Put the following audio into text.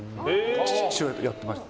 父親とやっていました。